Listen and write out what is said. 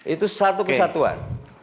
itu satu kesatuan